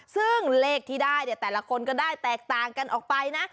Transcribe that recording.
ซึ่งเลขที่ได้เนี่ยแต่ละคนก็ได้แตกต่างกันออกไปนะ